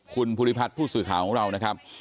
คุณภูริพัฒน์ผู้สื่อข่าวของเรานะครับ